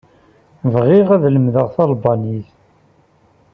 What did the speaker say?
Bɣiɣ ad lemdeɣ talbanit.